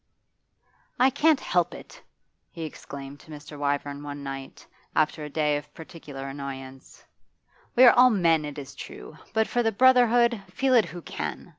'I can't help it!' he exclaimed to Mr. Wyvern one right, after a day of peculiar annoyance. 'We are all men, it is true; but for the brotherhood feel it who can!